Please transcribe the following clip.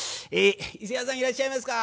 いせ屋さんいらっしゃいますか？